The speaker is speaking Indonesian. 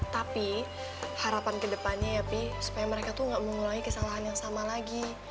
tapi harapan kedepannya ya pi supaya mereka tuh nggak mengulangi kesalahan yang sama lagi